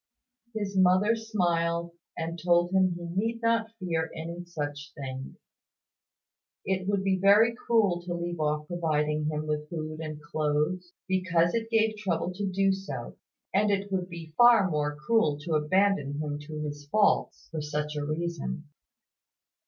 His mother smiled, and told him he need not fear any such thing. It would be very cruel to leave off providing him with food and clothes, because it gave trouble to do so; and it would be far more cruel to abandon him to his faults, for such a reason.